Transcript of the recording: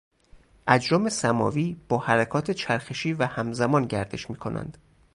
اجرام سماوی با حرکات چرخشی و همزمان گردش میکنند.